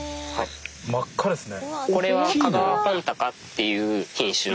真っ赤ですね。